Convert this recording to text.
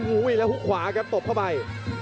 อุ้ยแล้วผู้ขวากันตบเข้าไป